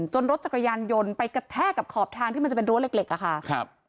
จนรถจักรยานยนต์ไปกระแท่กับขอบทางที่มันจะเป็นรถเล็ก